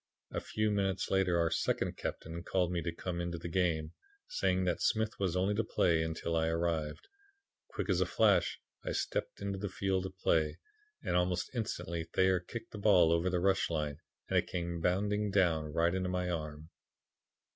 A few minutes later our 'second captain' called to me to come into the game, saying that Smith was only to play until I arrived. Quick as a flash I stepped into the field of play, and almost instantly Thayer kicked the ball over the rush line and it came bounding down right into my arm.